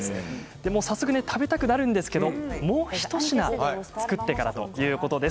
早速、食べたくなるんですがもう一品作ってからということです。